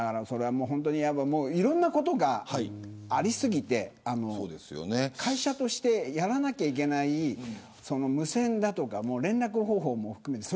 いろんなことがありすぎて会社としてやらなければいけない無線や連絡方法も含めて